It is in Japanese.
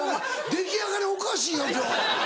出来上がりおかしいよ今日。